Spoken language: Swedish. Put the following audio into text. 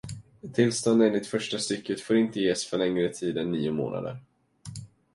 Ett tillstånd enligt första stycket får inte ges för längre tid än nio månader.